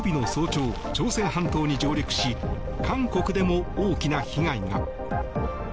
朝鮮半島に上陸し韓国でも大きな被害が。